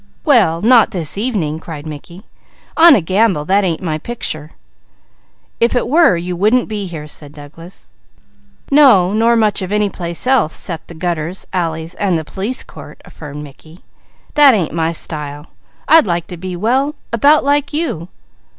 "Well not this evening!" cried Mickey. "On a gamble that ain't my picture!" "If it were, you wouldn't be here!" said Douglas. "No, nor much of any place else 'cept the gutters, alleys, and the police court," affirmed Mickey. "That ain't my style! I'd like to be well about like you."